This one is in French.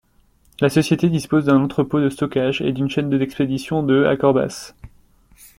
La société dispose d'un entrepôt de stockage et d'une chaîne d’expédition de à Corbas.